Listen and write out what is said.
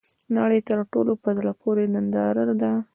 د نړۍ تر ټولو ، په زړه پورې ننداره ده .